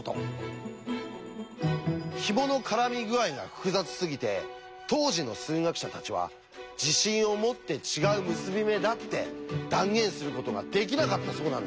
ひもの絡み具合が複雑すぎて当時の数学者たちは自信を持って違う結び目だって断言することができなかったそうなんです。